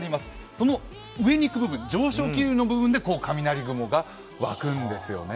この上に行く部分、上昇気流の部分で雷雲が湧くんですよね。